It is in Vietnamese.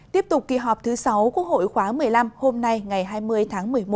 tiếp tục kỳ họp thứ sáu quốc hội khóa một mươi năm hôm nay ngày hai mươi tháng một mươi một